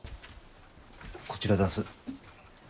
こちらだす。